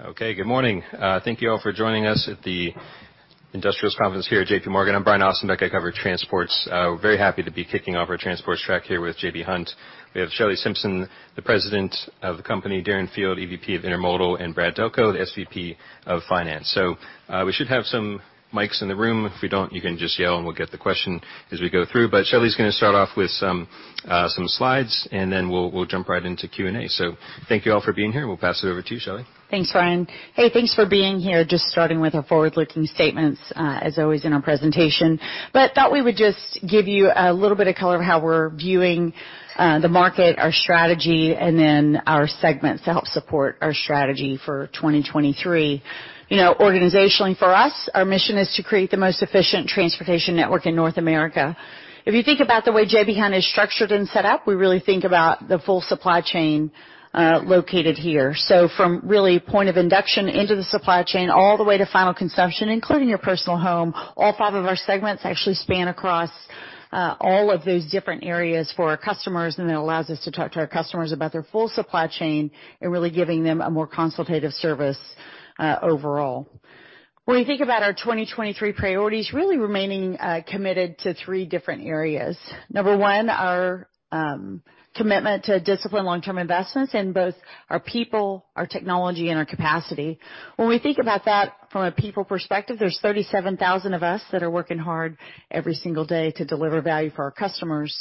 Okay. Good morning. Thank you all for joining us at the Industrials Conference here at JPMorgan. I'm Brian Ossenbeck. I cover transports. We're very happy to be kicking off our transports track here with J.B. Hunt. We have Shelley Simpson, the President of the company, Darren Field, EVP of Intermodal, and Brad Delco, the SVP of Finance. We should have some mics in the room. If we don't, you can just yell, and we'll get the question as we go through. Shelley's gonna start off with some slides, and then we'll jump right into Q&A. Thank you all for being here, and we'll pass it over to you, Shelley. Thanks, Brian. Hey, thanks for being here. Just starting with our forward-looking statements, as always in our presentation. Thought we would just give you a little bit of color of how we're viewing the market, our strategy, and then our segments to help support our strategy for 2023. You know, organizationally, for us, our mission is to create the most efficient transportation network in North America. If you think about the way J.B. Hunt is structured and set up, we really think about the full supply chain located here. From really point of induction into the supply chain all the way to final consumption, including your personal home, all five of our segments actually span across all of those different areas for our customers, and it allows us to talk to our customers about their full supply chain and really giving them a more consultative service overall. When you think about our 2023 priorities, really remaining committed to three different areas. Number one, our commitment to disciplined long-term investments in both our people, our technology, and our capacity. When we think about that from a people perspective, there's 37,000 of us that are working hard every single day to deliver value for our customers.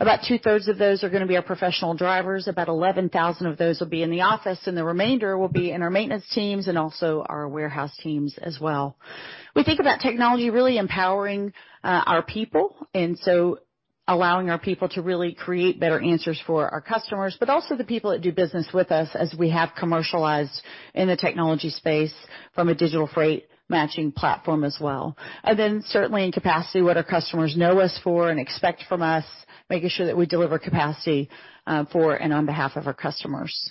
About 2/3 of those are gonna be our professional drivers. About 11,000 of those will be in the office. The remainder will be in our maintenance teams and also our warehouse teams as well. We think about technology really empowering our people, allowing our people to really create better answers for our customers, but also the people that do business with us as we have commercialized in the technology space from a digital freight matching platform as well. Certainly in capacity, what our customers know us for and expect from us, making sure that we deliver capacity for and on behalf of our customers.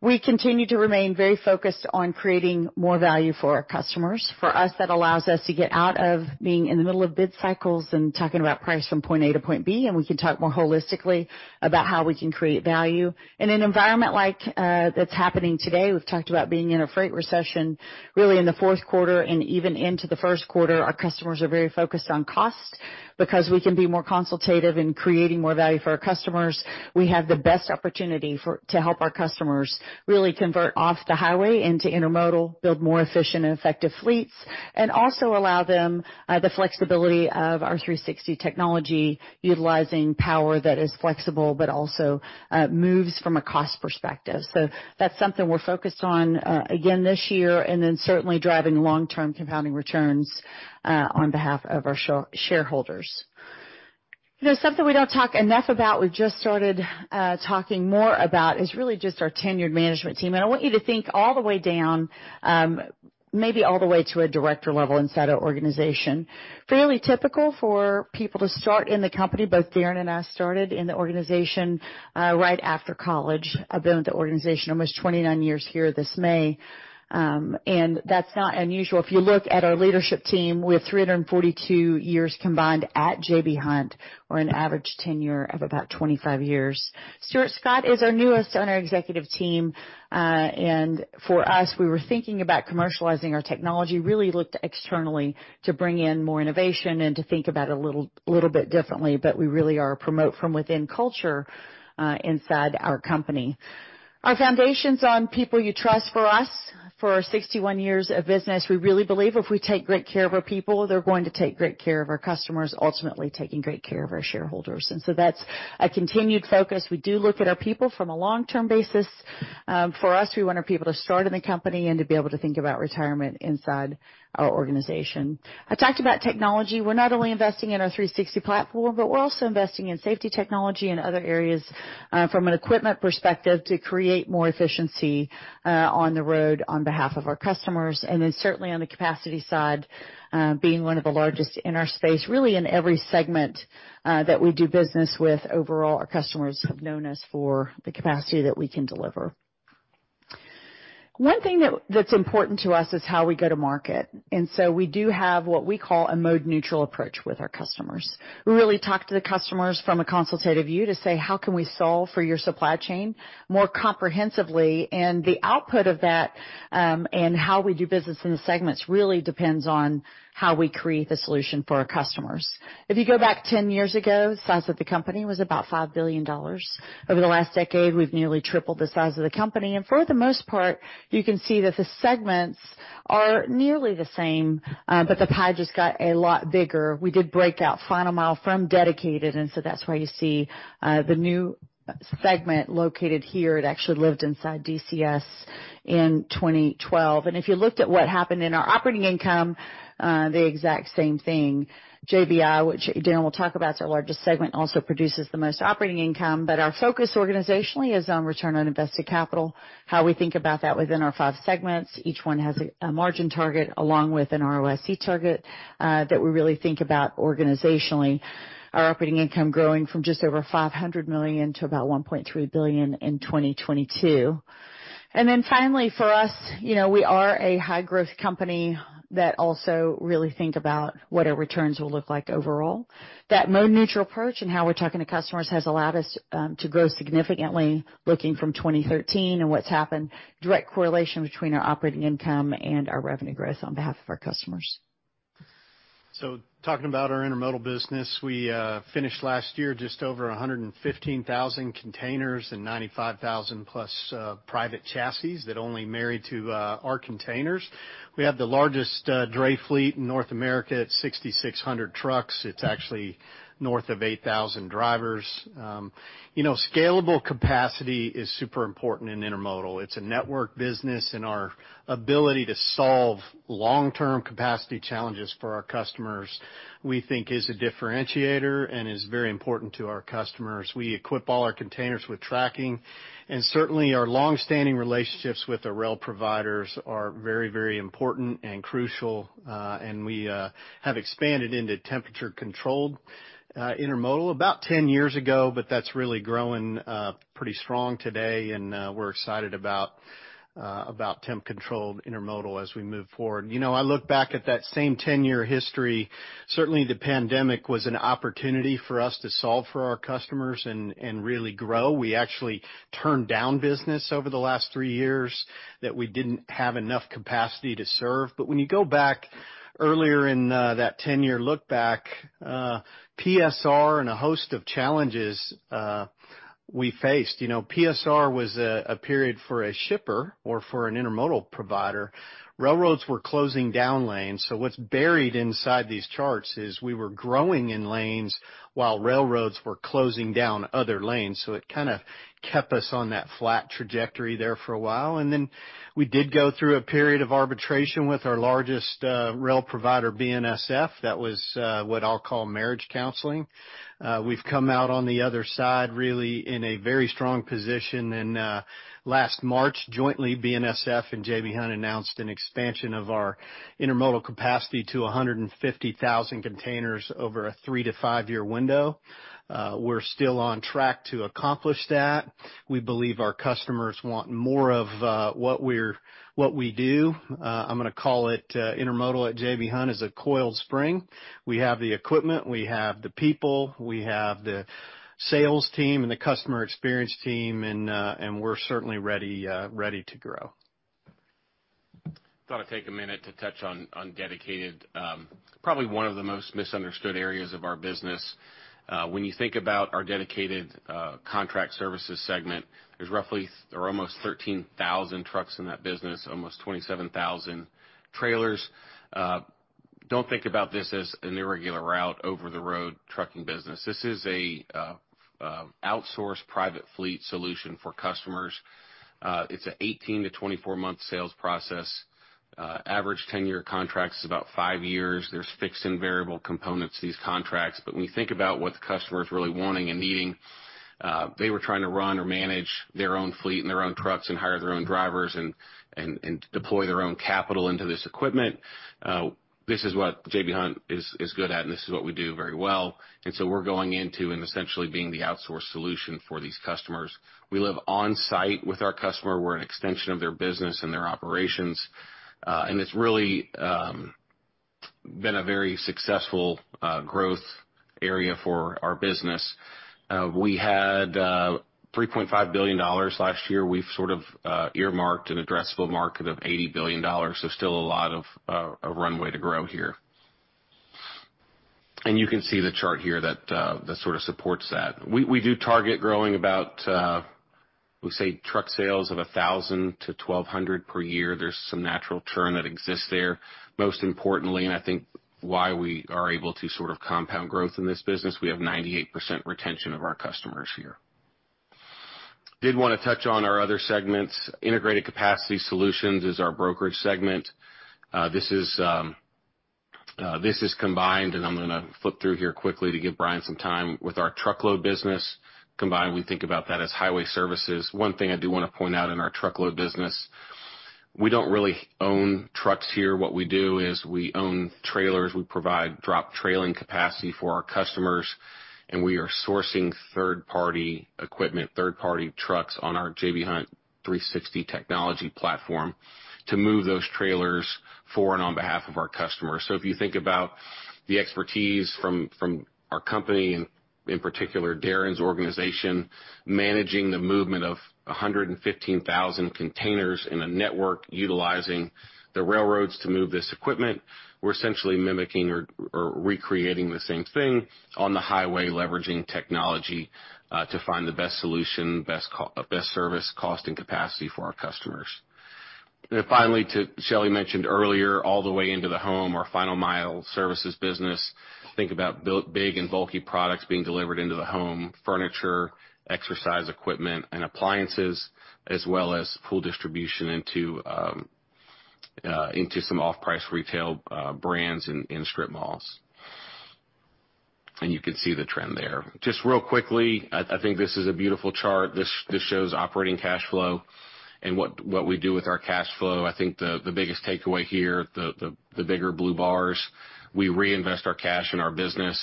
We continue to remain very focused on creating more value for our customers. For us, that allows us to get out of being in the middle of bid cycles and talking about price from point A to point B. We can talk more holistically about how we can create value. In an environment like that's happening today, we've talked about being in a freight recession, really in the fourth quarter and even into the first quarter, our customers are very focused on cost. Because we can be more consultative in creating more value for our customers, we have the best opportunity to help our customers really convert off the Highway into Intermodal, build more efficient and effective fleets, and also allow them the flexibility of our 360 technology, utilizing power that is flexible but also moves from a cost perspective. That's something we're focused on again this year, and then certainly driving long-term compounding returns on behalf of our shareholders. You know, something we don't talk enough about, we've just started talking more about, is really just our tenured management team. I want you to think all the way down, maybe all the way to a director level inside our organization. Fairly typical for people to start in the company, both Darren and I started in the organization right after college. I've been with the organization almost 29 years here this May. That's not unusual. If you look at our leadership team, we have 342 years combined at J.B. Hunt or an average tenure of about 25 years. Stuart Scott is our newest on our executive team. For us, we were thinking about commercializing our technology, really looked externally to bring in more innovation and to think about it a little bit differently. We really are a promote from within culture inside our company. Our foundation's on people you trust. For us, for our 61 years of business, we really believe if we take great care of our people, they're going to take great care of our customers, ultimately taking great care of our shareholders. That's a continued focus. We do look at our people from a long-term basis. For us, we want our people to start in the company and to be able to think about retirement inside our organization. I talked about technology. We're not only investing in our 360 platform, but we're also investing in safety technology and other areas from an equipment perspective to create more efficiency on the road on behalf of our customers. Certainly on the capacity side, being one of the largest in our space, really in every segment that we do business with. Overall, our customers have known us for the capacity that we can deliver. One thing that's important to us is how we go to market. We do have what we call a mode-neutral approach with our customers. We really talk to the customers from a consultative view to say, "How can we solve for your supply chain more comprehensively?" The output of that, and how we do business in the segments really depends on how we create the solution for our customers. If you go back 10 years ago, the size of the company was about $5 billion. Over the last decade, we've nearly tripled the size of the company, and for the most part, you can see that the segments are nearly the same, but the pie just got a lot bigger. We did break out Final Mile from Dedicated, so that's why you see the new segment located here. It actually lived inside DCS in 2012. If you looked at what happened in our operating income, the exact same thing. JBI, which Darren will talk about, it's our largest segment, also produces the most operating income. Our focus organizationally is on return on invested capital, how we think about that within our five segments. Each one has a margin target along with an ROIC target that we really think about organizationally. Our operating income growing from just over $500 million to about $1.3 billion in 2022. Finally, for us, you know, we are a high growth company that also really think about what our returns will look like overall. That mode-neutral approach and how we're talking to customers has allowed us to grow significantly looking from 2013 and what's happened, direct correlation between our operating income and our revenue growth on behalf of our customers. Talking about our Intermodal business, we finished last year just over 115,000 containers and 95,000+ private chassis that only marry to our containers. We have the largest dray fleet in North America at 6,600 trucks. It's actually north of 8,000 drivers. You know, scalable capacity is super important in Intermodal. It's a network business, and our ability to solve long-term capacity challenges for our customers, we think is a differentiator and is very important to our customers. We equip all our containers with tracking, and certainly our long-standing relationships with the rail providers are very, very important and crucial. We have expanded into temperature-controlled Intermodal about 10 years ago, but that's really growing pretty strong today, and we're excited about temp-controlled Intermodal as we move forward. You know, I look back at that same 10-year history. Certainly, the pandemic was an opportunity for us to solve for our customers and really grow. We actually turned down business over the last three years that we didn't have enough capacity to serve. When you go back earlier in that 10-year look back, PSR and a host of challenges we faced. You know, PSR was a period for a shipper or for an Intermodal provider. Railroads were closing down lanes, what's buried inside these charts is we were growing in lanes while railroads were closing down other lanes. It kind of kept us on that flat trajectory there for a while. We did go through a period of arbitration with our largest rail provider, BNSF. That was what I'll call marriage counseling. We've come out on the other side really in a very strong position. Last March, jointly, BNSF and J.B. Hunt announced an expansion of our Intermodal capacity to 150,000 containers over a three-to-five-year window. We're still on track to accomplish that. We believe our customers want more of what we do. I'm gonna call it, Intermodal at J.B. Hunt is a coiled spring. We have the equipment, we have the people, we have the sales team and the customer experience team, and we're certainly ready to grow. Thought I'd take a minute to touch on Dedicated, probably one of the most misunderstood areas of our business. When you think about our Dedicated Contract Services segment, there's roughly or almost 13,000 trucks in that business, almost 27,000 trailers. Don't think about this as an irregular route over the road trucking business. This is a outsourced private fleet solution for customers. It's a 18–24-month sales process. Average 10-year contract is about five years. There's fixed and variable components to these contracts. When you think about what the customer is really wanting and needing, they were trying to run or manage their own fleet and their own trucks and hire their own drivers and deploy their own capital into this equipment. This is what J.B. Hunt is good at, and this is what we do very well. We're going into and essentially being the outsource solution for these customers. We live on-site with our customer. We're an extension of their business and their operations. It's really been a very successful growth area for our business. We had $3.5 billion last year. We've sort of earmarked an addressable market of $80 billion. Still a lot of a runway to grow here. You can see the chart here that sort of supports that. We do target growing about we say truck sales of 1,000-1,200 per year. There's some natural churn that exists there. Most importantly, I think why we are able to sort of compound growth in this business, we have 98% retention of our customers here. Did want to touch on our other segments. Integrated Capacity Solutions is our brokerage segment. This is combined, I'm gonna flip through here quickly to give Brian some time, with our Truckload business. Combined, we think about that as Highway services. One thing I do want to point out in our Truckload business, we don't really own trucks here. What we do is we own trailers. We provide drop trailer capacity for our customers, we are sourcing third-party equipment, third-party trucks on our J.B. Hunt 360 technology platform to move those trailers for and on behalf of our customers. If you think about the expertise from our company, in particular, Darren's organization, managing the movement of 115,000 containers in a network utilizing the railroads to move this equipment, we're essentially mimicking or recreating the same thing on the Highway, leveraging technology to find the best solution, best service, cost, and capacity for our customers. Then finally, Shelley mentioned earlier, all the way into the home, our Final Mile Services business. Think about big and bulky products being delivered into the home. Furniture, exercise equipment, and appliances, as well as full distribution into some off-price retail brands in strip malls. You can see the trend there. Just real quickly, I think this is a beautiful chart. This shows operating cash flow and what we do with our cash flow. I think the biggest takeaway here, the bigger blue bars, we reinvest our cash in our business.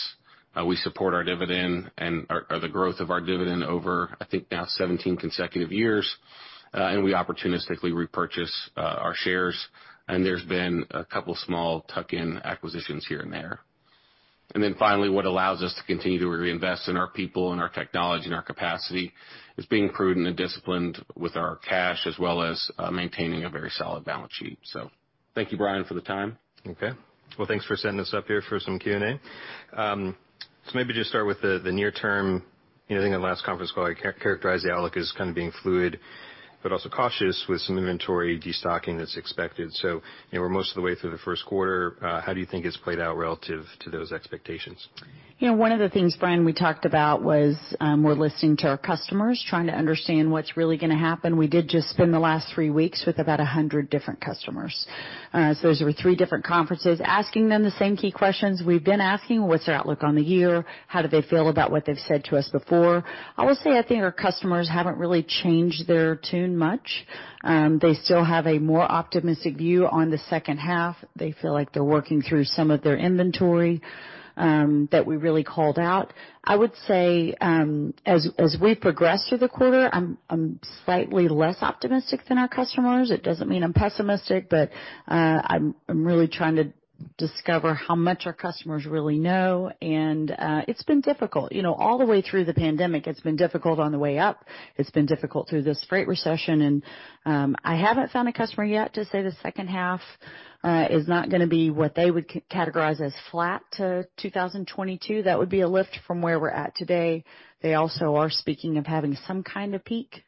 We support our dividend or the growth of our dividend over, I think now 17 consecutive years. We opportunistically repurchase our shares. There's been a couple of small tuck-in acquisitions here and there. Finally, what allows us to continue to reinvest in our people and our technology and our capacity is being prudent and disciplined with our cash, as well as maintaining a very solid balance sheet. Thank you, Brian, for the time. Okay. Well, thanks for setting us up here for some Q&A. Maybe just start with the near term. You know, I think in the last conference call, you characterized the outlook as kind of being fluid, but also cautious with some inventory destocking that's expected. You know, we're most of the way through the first quarter. How do you think it's played out relative to those expectations? You know, one of the things, Brian, we talked about was, we're listening to our customers, trying to understand what's really gonna happen. We did just spend the last three weeks with about 100 different customers. Those were three different conferences, asking them the same key questions we've been asking. What's their outlook on the year? How do they feel about what they've said to us before? I will say I think our customers haven't really changed their tune much. They still have a more optimistic view on the second half. They feel like they're working through some of their inventory that we really called out. I would say, as we progress through the quarter, I'm slightly less optimistic than our customers. It doesn't mean I'm pessimistic, but I'm really trying to discover how much our customers really know, and it's been difficult. You know, all the way through the pandemic, it's been difficult on the way up. It's been difficult through this freight recession, and I haven't found a customer yet to say the second half is not gonna be what they would categorize as flat to 2022. That would be a lift from where we're at today. They also are speaking of having some kind of peak.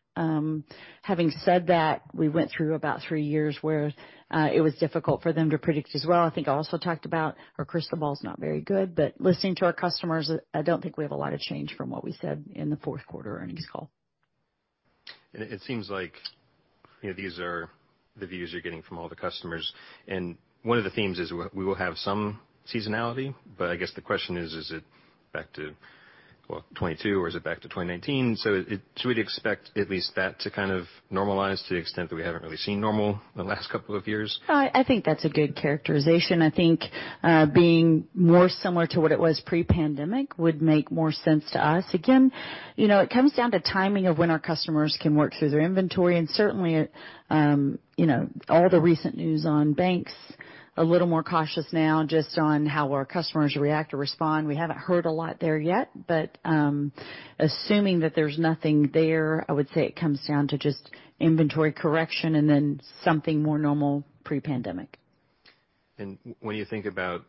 Having said that, we went through about three years where it was difficult for them to predict as well. I think I also talked about our crystal ball's not very good. Listening to our customers, I don't think we have a lot of change from what we said in the fourth quarter earnings call. It seems like, you know, these are the views you're getting from all the customers, and one of the themes is we will have some seasonality, but I guess the question is it back to, well, 2022, or is it back to 2019? We'd expect at least that to kind of normalize to the extent that we haven't really seen normal the last couple of years? I think that's a good characterization. I think, being more similar to what it was pre-pandemic would make more sense to us. You know, it comes down to timing of when our customers can work through their inventory, and certainly, you know, all the recent news on banks, a little more cautious now just on how our customers react or respond. We haven't heard a lot there yet, assuming that there's nothing there, I would say it comes down to just inventory correction and then something more normal pre-pandemic. When you think about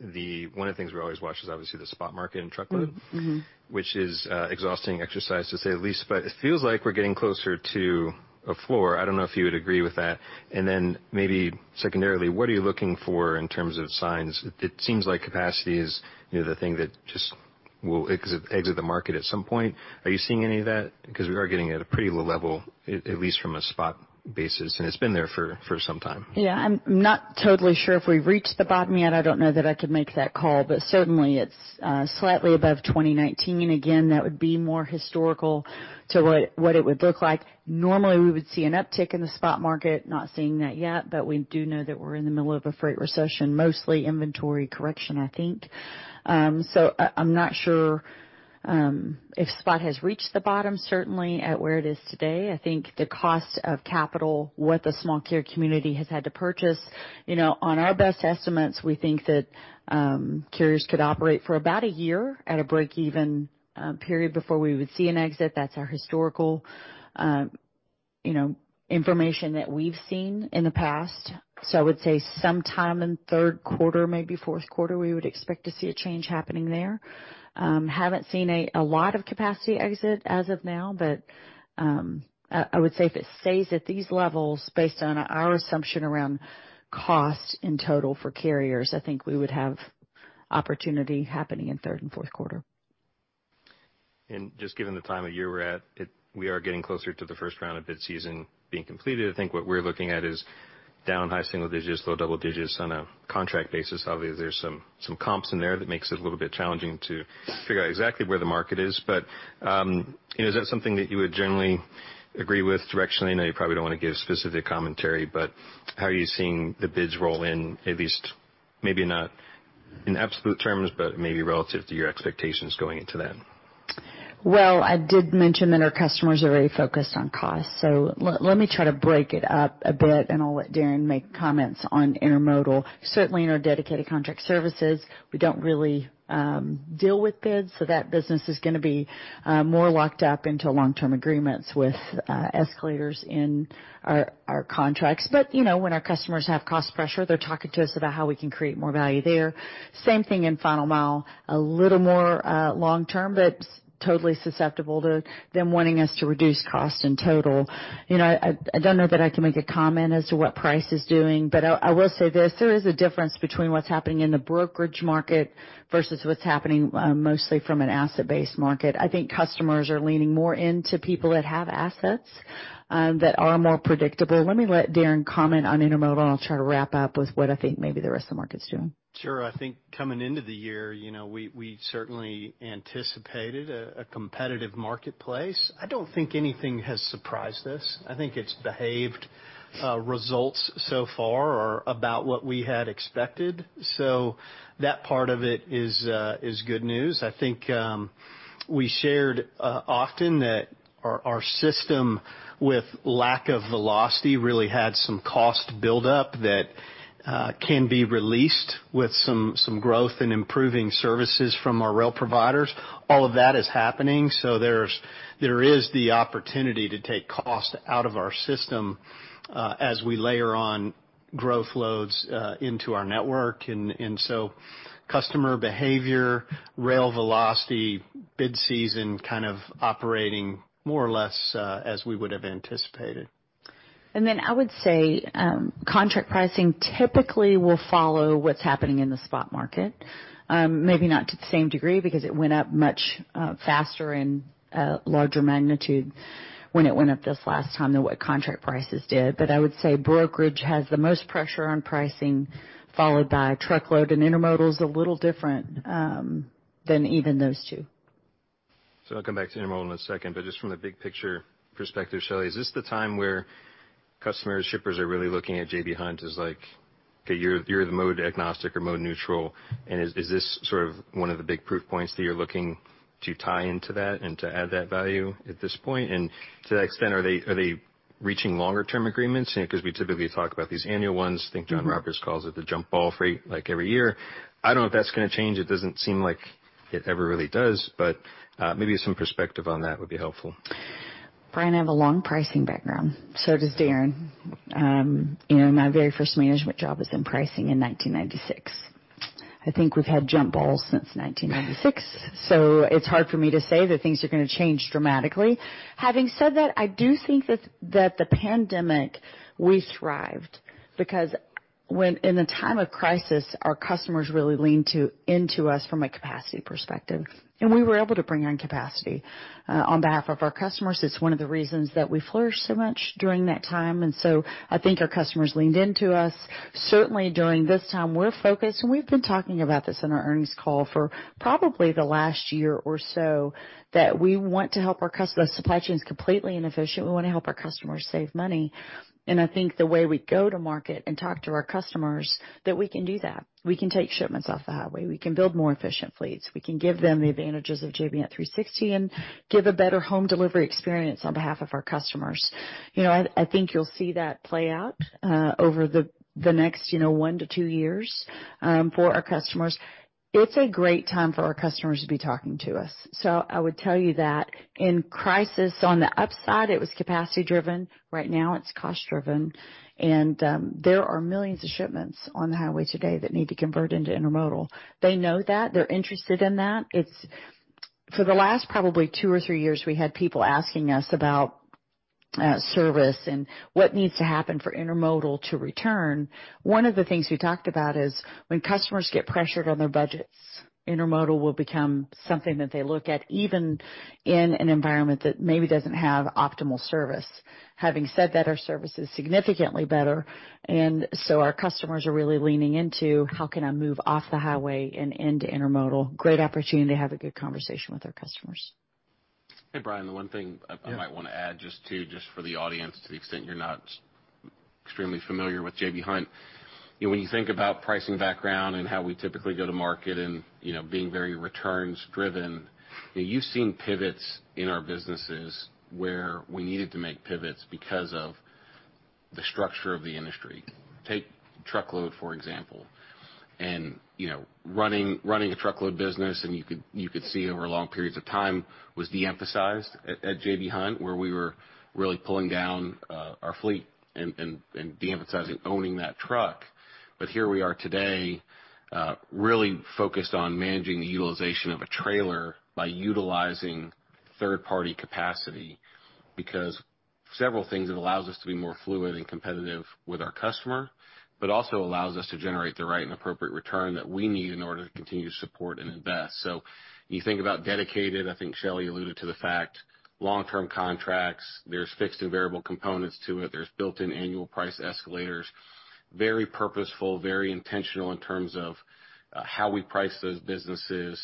one of the things we always watch is obviously the spot market and Truckload. Mm-hmm. Which is an exhausting exercise to say the least, it feels like we're getting closer to a floor. I don't know if you would agree with that. Maybe secondarily, what are you looking for in terms of signs? It seems like capacity is, you know, the thing that just will exit the market at some point. Are you seeing any of that? Because we are getting at a pretty low level, at least from a spot basis, and it's been there for some time. Yeah. I'm not totally sure if we've reached the bottom yet. I don't know that I could make that call. Certainly, it's slightly above 2019. Again, that would be more historical to what it would look like. Normally, we would see an uptick in the spot market. Not seeing that yet. We do know that we're in the middle of a freight recession, mostly inventory correction, I think. I'm not sure if spot has reached the bottom, certainly at where it is today. I think the cost of capital, what the small carrier community has had to purchase. You know, on our best estimates, we think that carriers could operate for about 1 year at a break-even period before we would see an exit. That's our historical, you know, information that we've seen in the past. I would say sometime in third quarter, maybe fourth quarter, we would expect to see a change happening there. Haven't seen a lot of capacity exit as of now, I would say if it stays at these levels based on our assumption around cost in total for carriers, I think we would have opportunity happening in third and fourth quarter. Just given the time of year we're at, we are getting closer to the first round of bid season being completed. I think what we're looking at is down high single digits, low double digits on a contract basis. Obviously, there's some comps in there that makes it a little bit challenging to figure out exactly where the market is. You know, is that something that you would generally agree with directionally? I know you probably don't want to give specific commentary, but how are you seeing the bids roll in at least maybe not in absolute terms, but maybe relative to your expectations going into that? Well, I did mention that our customers are very focused on cost. Let me try to break it up a bit, and I'll let Darren make comments on Intermodal. Certainly, in our Dedicated Contract Services, we don't really deal with bids, so that business is gonna be more locked up into long-term agreements with escalators in our contracts. You know, when our customers have cost pressure, they're talking to us about how we can create more value there. Same thing in Final Mile, a little more long-term, but totally susceptible to them wanting us to reduce cost in total. You know, I don't know that I can make a comment as to what price is doing, but I will say this, there is a difference between what's happening in the brokerage market versus what's happening mostly from an asset-based market. I think customers are leaning more into people that have assets that are more predictable. Let me let Darren comment on Intermodal, and I'll try to wrap up with what I think maybe the rest of the market's doing. Sure. I think coming into the year, you know, we certainly anticipated a competitive marketplace. I don't think anything has surprised us. I think it's behaved, results so far are about what we had expected. That part of it is good news. I think, we shared often that our system with lack of velocity really had some cost build up that can be released with some growth in improving services from our rail providers. All of that is happening, so there is the opportunity to take cost out of our system, as we layer on growth loads into our network. Customer behavior, rail velocity, bid season, kind of operating more or less as we would have anticipated. I would say contract pricing typically will follow what's happening in the spot market. Maybe not to the same degree because it went up much faster in a larger magnitude when it went up this last time than what contract prices did. I would say brokerage has the most pressure on pricing, followed by truckload, and Intermodal's a little different than even those two. I'll come back to Intermodal in a second, but just from the big picture perspective, Shelley, is this the time where customers, shippers are really looking at J.B. Hunt as like, okay, you're the mode agnostic or mode neutral, and is this sort of one of the big proof points that you're looking to tie into that and to add that value at this point? To that extent, are they reaching longer term agreements? You know, 'cause we typically talk about these annual ones. Think John Roberts calls it the jump ball freight, like every year. I don't know if that's gonna change. It doesn't seem like it ever really does. Maybe some perspective on that would be helpful. Brian, I have a long pricing background. So does Darren. You know, my very first management job was in pricing in 1996. I think we've had jump balls since 1996, so it's hard for me to say that things are gonna change dramatically. Having said that, I do think that the pandemic, we thrived because when, in a time of crisis, our customers really leaned into us from a capacity perspective. We were able to bring on capacity on behalf of our customers. It's one of the reasons that we flourished so much during that time. I think our customers leaned into us. Certainly, during this time, we're focused, and we've been talking about this in our earnings call for probably the last year or so, that we want to help our customers. The supply chain's completely inefficient. We want to help our customers save money. I think the way we go to market and talk to our customers, that we can do that. We can take shipments off the highway. We can build more efficient fleets. We can give them the advantages of J.B. Hunt 360 and give a better home delivery experience on behalf of our customers. You know, I think you'll see that play out over the next, you know, one to two years for our customers. It's a great time for our customers to be talking to us. I would tell you that in crisis, on the upside, it was capacity driven. Right now, it's cost driven. There are millions of shipments on the highway today that need to convert into Intermodal. They know that. They're interested in that. It's... For the last probably two or three years, we had people asking us about service and what needs to happen for Intermodal to return. One of the things we talked about is when customers get pressured on their budgets, Intermodal will become something that they look at, even in an environment that maybe doesn't have optimal service. Having said that, our service is significantly better. Our customers are really leaning into how can I move off the Highway and into Intermodal. Great opportunity to have a good conversation with our customers. Hey, Brian, the one thing I might want to add just to, just for the audience, to the extent you're not extremely familiar with J.B. Hunt. You know, when you think about pricing background and how we typically go to market and, you know, being very returns driven, you've seen pivots in our businesses where we needed to make pivots because of the structure of the industry. Take Truckload, for example, and, you know, running a Truckload business, and you could see over long periods of time was de-emphasized at J.B. Hunt, where we were really pulling down our fleet and de-emphasizing owning that truck. Here we are today, really focused on managing the utilization of a trailer by utilizing third-party capacity because several things, it allows us to be more fluid and competitive with our customer, but also allows us to generate the right and appropriate return that we need in order to continue to support and invest. When you think about Dedicated, I think Shelley alluded to the fact long-term contracts, there's fixed and variable components to it. There's built-in annual price escalators. Very purposeful, very intentional in terms of how we price those businesses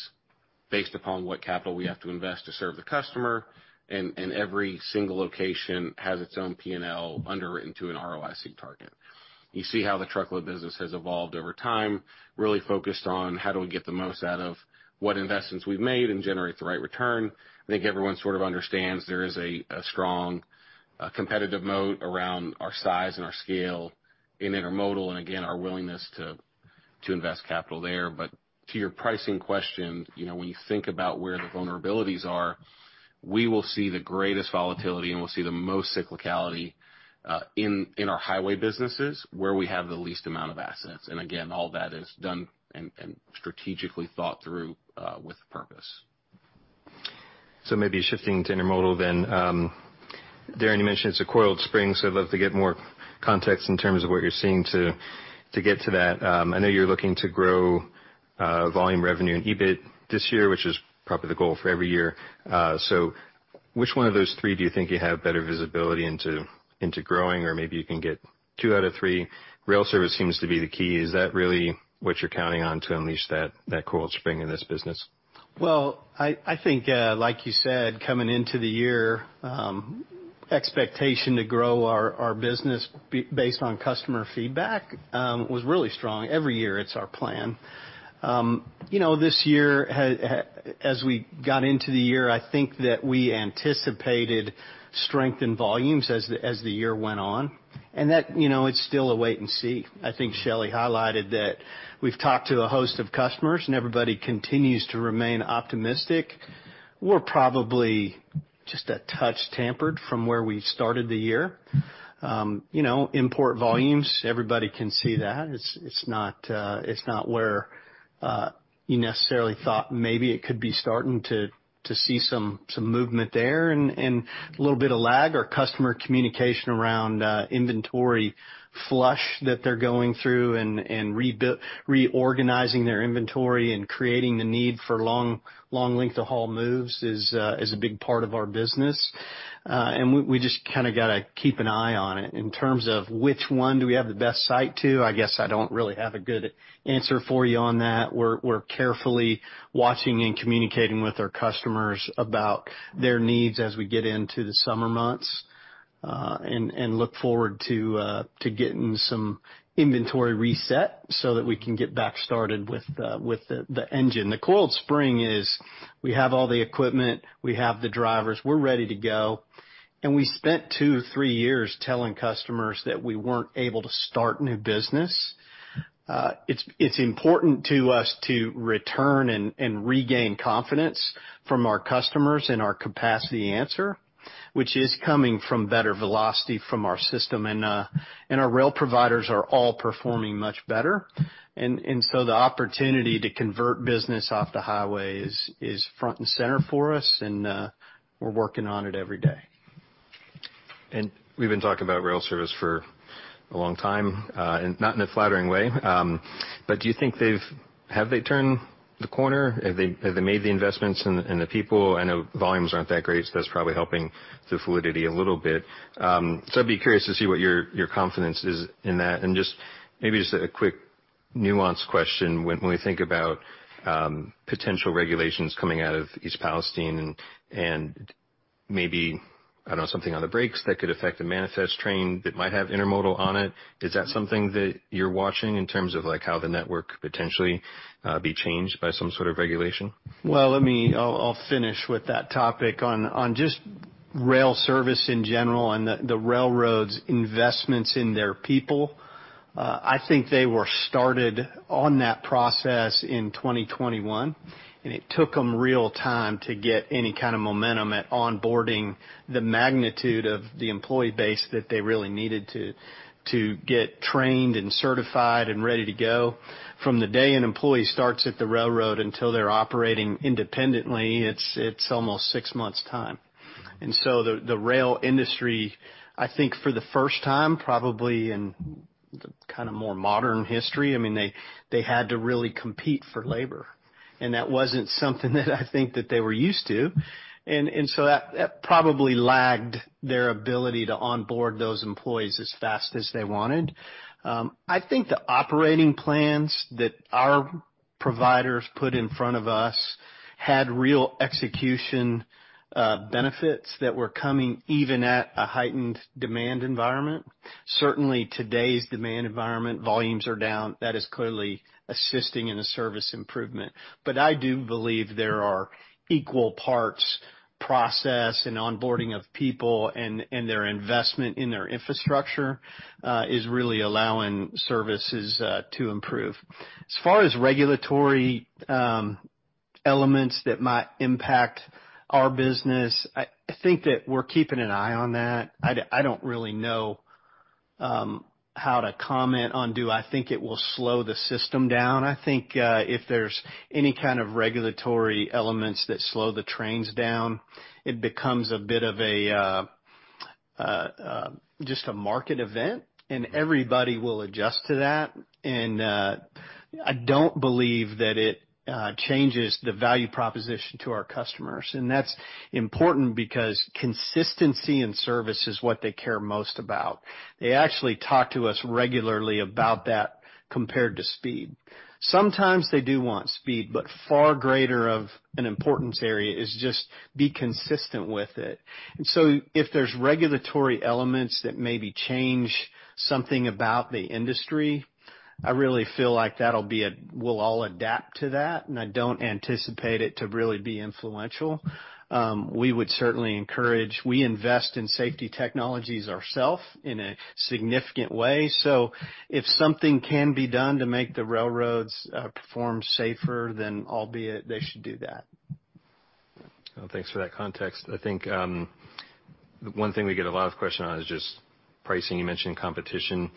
based upon what capital we have to invest to serve the customer. Every single location has its own P&L underwritten to an ROIC target. You see how the Truckload business has evolved over time, really focused on how do we get the most out of what investments we've made and generate the right return. I think everyone sort of understands there is a strong competitive moat around our size and our scale in Intermodal, again, our willingness to invest capital there. To your pricing question, you know, when you think about where the vulnerabilities are, we will see the greatest volatility, and we'll see the most cyclicality in our Highway businesses where we have the least amount of assets. Again, all that is done and strategically thought through with purpose. Maybe shifting to Intermodal then. Darren, you mentioned it's a coiled spring, so I'd love to get more context in terms of what you're seeing to get to that. I know you're looking to grow volume revenue and EBIT this year, which is probably the goal for every year. Which one of those three do you think you have better visibility into growing? Maybe you can get two out of three. Rail service seems to be the key. Is that really what you're counting on to unleash that coiled spring in this business? Well, I think, like you said, coming into the year, expectation to grow our business based on customer feedback, was really strong. Every year, it's our plan. You know, this year as we got into the year, I think that we anticipated strength in volumes as the year went on, and that, you know, it's still a wait and see. I think Shelley highlighted that we've talked to a host of customers, and everybody continues to remain optimistic. We're probably just a touch tampered from where we started the year. You know, import volumes, everybody can see that. It's, it's not, it's not where, you necessarily thought maybe it could be starting to see some movement there and a little bit of lag. Our customer communication around inventory flush that they're going through and reorganizing their inventory and creating the need for long, long length of haul moves is a big part of our business. We just kinda gotta keep an eye on it. In terms of which one do we have the best sight to, I guess I don't really have a good answer for you on that. We're carefully watching and communicating with our customers about their needs as we get into the summer months, and look forward to getting some inventory reset so that we can get back started with the engine. The coiled spring is, we have all the equipment, we have the drivers, we're ready to go, and we spent two, three years telling customers that we weren't able to start new business. It's important to us to return and regain confidence from our customers and our capacity answer, which is coming from better velocity from our system and our rail providers are all performing much better. The opportunity to convert business off the Highway is front and center for us and we're working on it every day. We've been talking about rail service for a long time, and not in a flattering way. Do you think Have they turned the corner? Have they made the investments in the people? I know volumes aren't that great, so that's probably helping the fluidity a little bit. I'd be curious to see what your confidence is in that. Just maybe just a quick nuanced question. When we think about potential regulations coming out of East Palestine and maybe, I don't know, something on the brakes that could affect the manifest train that might have Intermodal on it, is that something that you're watching in terms of like how the network potentially be changed by some sort of regulation? Well, I'll finish with that topic. On just rail service in general and the railroads investments in their people, I think they were started on that process in 2021, it took them real time to get any kind of momentum at onboarding the magnitude of the employee base that they really needed to get trained and certified and ready to go. From the day an employee starts at the railroad until they're operating independently, it's almost six months' time. The rail industry, I think for the first time, probably in the kind of more modern history, I mean, they had to really compete for labor, that wasn't something that I think that they were used to. That probably lagged their ability to onboard those employees as fast as they wanted. I think the operating plans that our providers put in front of us had real execution benefits that were coming even at a heightened demand environment. Certainly, today's demand environment, volumes are down. That is clearly assisting in a service improvement. I do believe there are equal parts process and onboarding of people and their investment in their infrastructure is really allowing services to improve. As far as regulatory elements that might impact our business, I think that we're keeping an eye on that. I don't really know how to comment on do I think it will slow the system down. I think if there's any kind of regulatory elements that slow the trains down, it becomes a bit of a just a market event, and everybody will adjust to that. I don't believe that it changes the value proposition to our customers. That's important because consistency in service is what they care most about. They actually talk to us regularly about that compared to speed. Sometimes they do want speed, but far greater of an importance area is just be consistent with it. If there's regulatory elements that maybe change something about the industry, I really feel like we'll all adapt to that, and I don't anticipate it to really be influential. We would certainly encourage... We invest in safety technologies ourself in a significant way. If something can be done to make the railroads perform safer, then albeit they should do that. Well, thanks for that context. I think one thing we get a lot of question on is just pricing. You mentioned competition.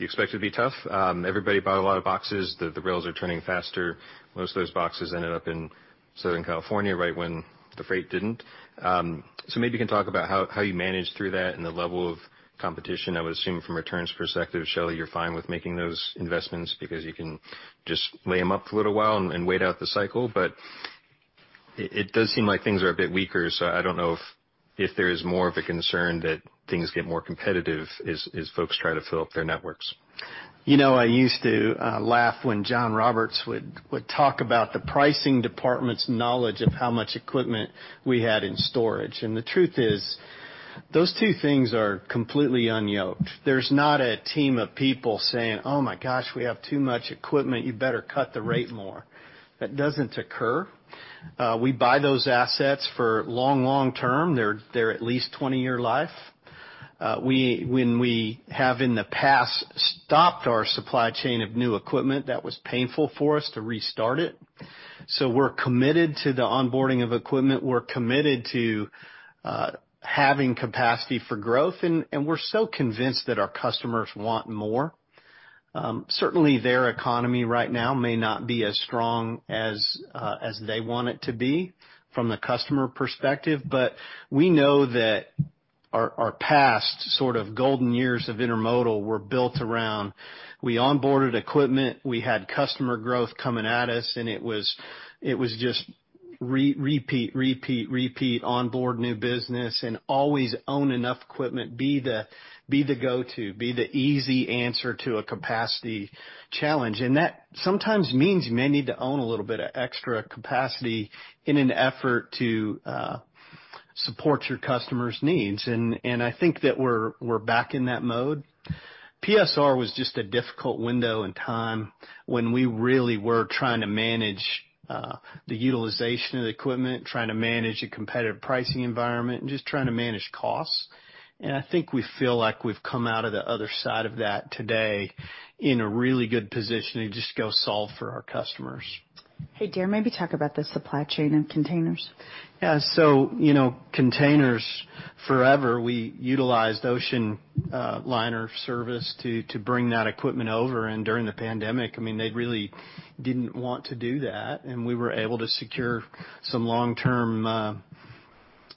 You expect it to be tough. Everybody bought a lot of boxes. The rails are turning faster. Most of those boxes ended up in Southern California right when the freight didn't. Maybe you can talk about how you manage through that and the level of competition. I would assume from a returns perspective, Shelley, you're fine with making those investments because you can just weigh them up for a little while and wait out the cycle. It does seem like things are a bit weaker, I don't know if there is more of a concern that things get more competitive as folks try to fill up their networks. You know, I used to laugh when John Roberts would talk about the pricing department's knowledge of how much equipment we had in storage. The truth is, those two things are completely unyoked. There's not a team of people saying, "Oh, my gosh, we have too much equipment. You better cut the rate more." That doesn't occur. We buy those assets for long, long term. They're at least 20-year life. When we have in the past stopped our supply chain of new equipment, that was painful for us to restart it. We're committed to the onboarding of equipment. We're committed to having capacity for growth and we're so convinced that our customers want more. Certainly, their economy right now may not be as strong as they want it to be from the customer perspective. We know that our past sort of golden years of Intermodal were built around, we onboarded equipment, we had customer growth coming at us, and it was just repeat, repeat, onboard new business and always own enough equipment, be the go-to, be the easy answer to a capacity challenge. That sometimes means you may need to own a little bit of extra capacity in an effort to support your customers' needs. I think that we're back in that mode. PSR was just a difficult window in time when we really were trying to manage the utilization of the equipment, trying to manage a competitive pricing environment, and just trying to manage costs. I think we feel like we've come out of the other side of that today in a really good position to just go solve for our customers. Hey, Darren, maybe talk about the supply chain and containers. Yeah. You know, containers, forever, we utilized ocean liner service to bring that equipment over. During the pandemic, I mean, they really didn't want to do that, and we were able to secure some long-term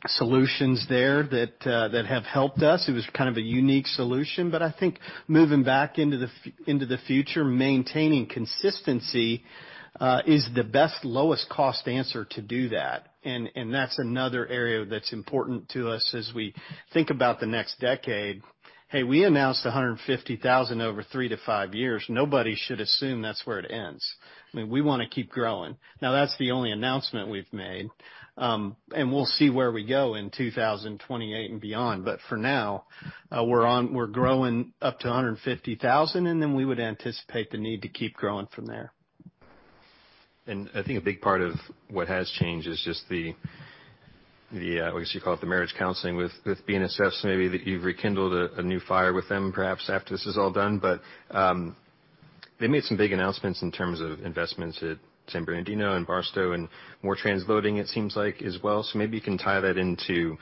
solutions there that have helped us. It was kind of a unique solution, but I think moving back into the future, maintaining consistency is the best lowest cost answer to do that. That's another area that's important to us as we think about the next decade. Hey, we announced 150,000 over three to five years. Nobody should assume that's where it ends. I mean, we wanna keep growing. Now, that's the only announcement we've made. We'll see where we go in 2028 and beyond. For now, we're growing up to 150,000, and then we would anticipate the need to keep growing from there. I think a big part of what has changed is just the, I guess, you call it the marriage counseling with BNSF so maybe that you've rekindled a new fire with them perhaps after this is all done. They made some big announcements in terms of investments at San Bernardino and Barstow and more transloading, it seems like, as well. Maybe you can tie that into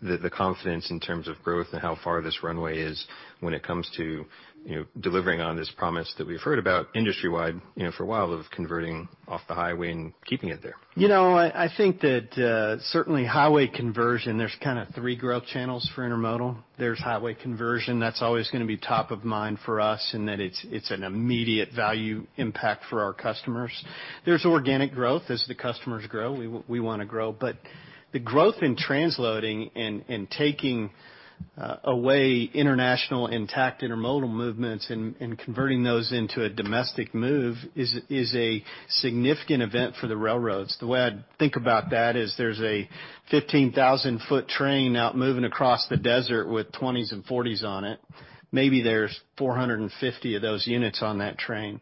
the confidence in terms of growth and how far this runway is when it comes to, you know, delivering on this promise that we've heard about industry-wide, you know, for a while of converting off the Highway and keeping it there. You know, I think that certainly Highway conversion, there's kind of three growth channels for Intermodal. There's Highway conversion. That's always going to be top of mind for us in that it's an immediate value impact for our customers. There's organic growth. As the customers grow, we want to grow. The growth in transloading and taking away international intact Intermodal movements and converting those into a domestic move is a significant event for the railroads. The way I'd think about that is there's a 15,000-foot train out moving across the desert with 20s and 40s on it. Maybe there's 450 of those units on that train.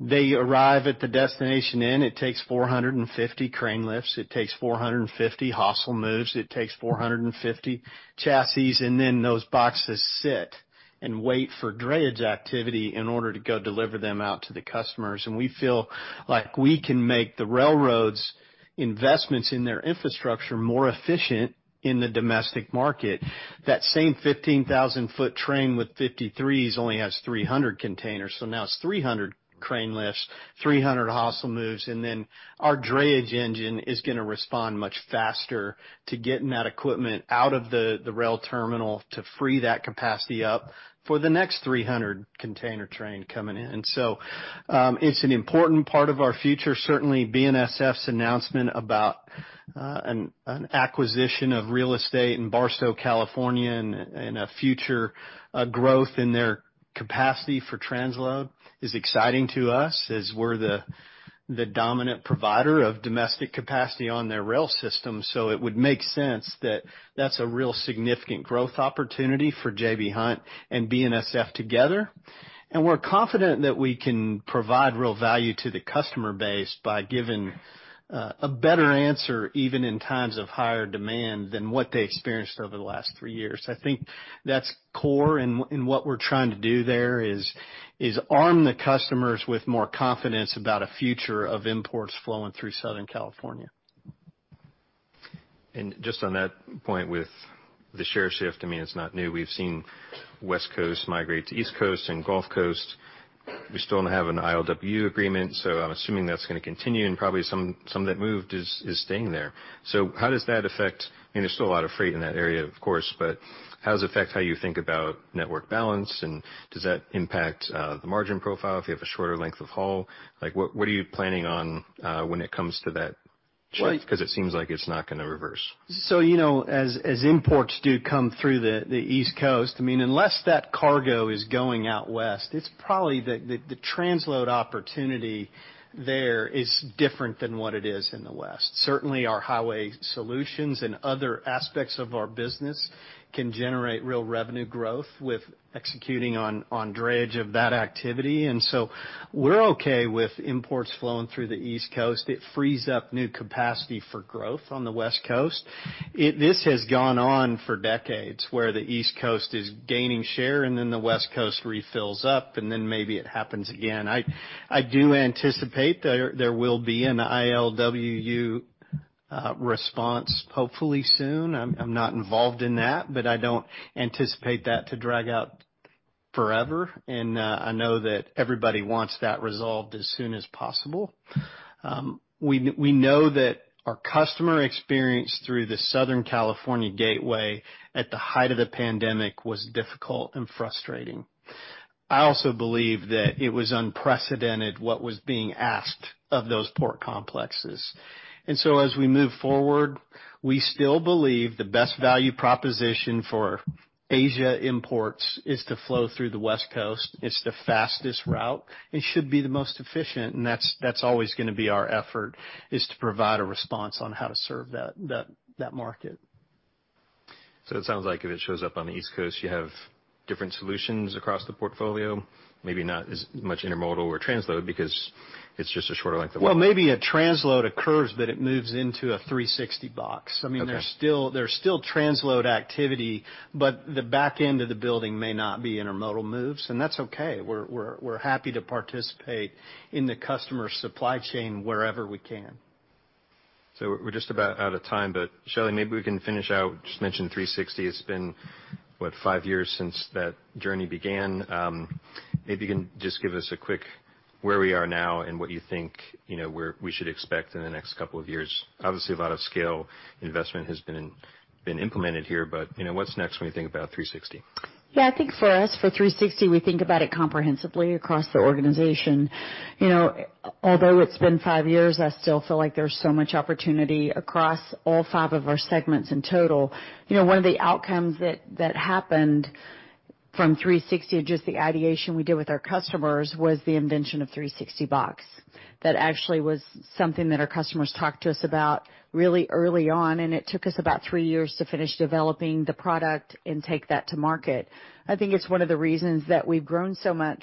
They arrive at the destination, and it takes 450 crane lifts. It takes 450 hostler moves. It takes 450 chassis, then those boxes sit and wait for drayage activity in order to go deliver them out to the customers. We feel like we can make the railroads investments in their infrastructure more efficient in the domestic market. That same 15,000-foot train with 53s only has 300 containers, so now it's 300 crane lifts, 300 hostler moves, and then our drayage engine is gonna respond much faster to getting that equipment out of the rail terminal to free that capacity up for the next 300 container train coming in. It's an important part of our future. Certainly, BNSF's announcement about an acquisition of real estate in Barstow, California, and a future growth in their capacity for transload is exciting to us as we're the dominant provider of domestic capacity on their rail system. It would make sense that that's a real significant growth opportunity for J.B. Hunt and BNSF together. We're confident that we can provide real value to the customer base by giving a better answer even in times of higher demand than what they experienced over the last three years. I think that's core in what we're trying to do there is arm the customers with more confidence about a future of imports flowing through Southern California. Just on that point with the share shift, I mean, it's not new. We've seen West Coast migrate to East Coast and Gulf Coast. We still don't have an ILWU agreement, I'm assuming that's gonna continue and probably some of that move is staying there. I mean, there's still a lot of freight in that area, of course, but how does it affect how you think about network balance, and does that impact the margin profile if you have a shorter length of haul? Like, what are you planning on when it comes to that? Just 'cause it seems like it's not gonna reverse. So, you know, as imports do come through the East Coast, I mean, unless that cargo is going out west, it's probably the transload opportunity there is different than what it is in the west. Certainly, our Highway solutions and other aspects of our business can generate real revenue growth with executing on drayage of that activity. We're okay with imports flowing through the East Coast. It frees up new capacity for growth on the West Coast. This has gone on for decades, where the East Coast is gaining share, the West Coast refills up, maybe it happens again. I do anticipate there will be an ILWU response, hopefully soon. I'm not involved in that but I don't anticipate that to drag out forever. I know that everybody wants that resolved as soon as possible. We know that our customer experience through the Southern California Gateway at the height of the pandemic was difficult and frustrating. I also believe that it was unprecedented what was being asked of those port complexes. As we move forward, we still believe the best value proposition for Asia imports is to flow through the West Coast. It's the fastest route and should be the most efficient, and that's always gonna be our effort, is to provide a response on how to serve that market. It sounds like if it shows up on the East Coast, you have different solutions across the portfolio. Maybe not as much Intermodal or transload because it's just a shorter length of- Well, maybe a transload occurs, but it moves into a 360box. Okay. I mean, there's still transload activity, but the back end of the building may not be Intermodal moves, and that's okay. We're happy to participate in the customer supply chain wherever we can. We're just about out of time, but Shelley, maybe we can finish out. Just mentioned 360. It's been, what, five years since that journey began? Maybe you can just give us a quick where we are now and what you think, you know, where we should expect in the next couple of years. Obviously, a lot of scale investment has been implemented here. You know, what's next when you think about 360? Yeah. I think for us, for 360, we think about it comprehensively across the organization. You know, although it's been five years, I still feel like there's so much opportunity across all five of our segments in total. You know, one of the outcomes that happened from 360, just the ideation we did with our customers, was the invention of 360box. That actually was something that our customers talked to us about really early on, and it took us about three years to finish developing the product and take that to market. I think it's one of the reasons that we've grown so much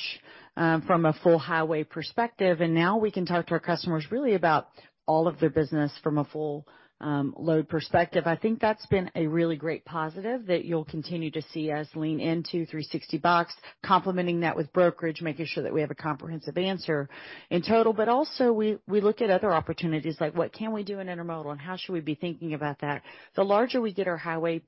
from a full Highway perspective, and now we can talk to our customers really about all of their business from a full load perspective. I think that's been a really great positive that you'll continue to see us lean into 360box, complementing that with brokerage, making sure that we have a comprehensive answer in total. Also we look at other opportunities like what can we do in Intermodal and how should we be thinking about that. The larger we get our Highway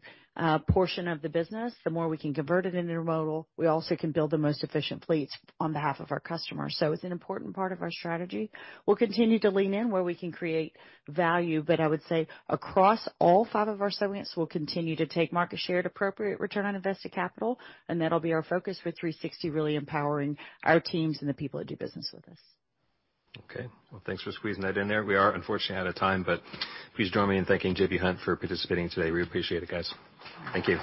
portion of the business, the more we can convert it into Intermodal. We also can build the most efficient fleets on behalf of our customers. It's an important part of our strategy. We'll continue to lean in where we can create value, I would say across all five of our segments, we'll continue to take market share at appropriate return on invested capital, and that'll be our focus with 360, really empowering our teams and the people that do business with us. Okay. Well, thanks for squeezing that in there. We are unfortunately out of time. Please join me in thanking J.B. Hunt for participating today. We appreciate it, guys. Thank you.